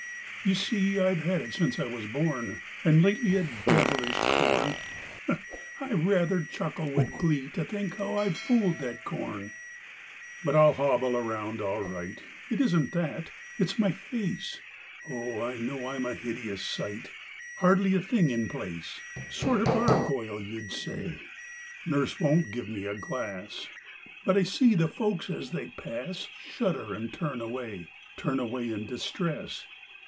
You see I've had it since I was born; And lately a devilish corn. (I rather chuckle with glee To think how I've fooled that corn.) But I'll hobble around all right. It isn't that, it's my face. Oh I know I'm a hideous sight, Hardly a thing in place; Sort of gargoyle, you'd say. Nurse won't give me a glass, But I see the folks as they pass Shudder and turn away; Turn away in distress